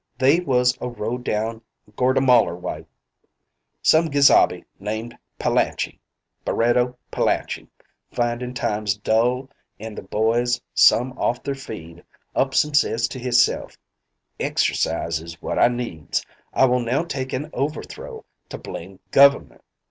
They was a row down Gortamalar way. Same gesabe named Palachi Barreto Palachi findin' times dull an' the boys some off their feed, ups an' says to hisself, 'Exercise is wot I needs. I will now take an' overthrow the blame Gover'ment.'